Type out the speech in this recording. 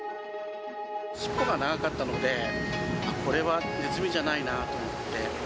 尻尾が長かったので、これはネズミじゃないなと思って。